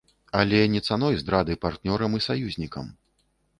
Але не цаной здрады партнёрам і саюзнікам.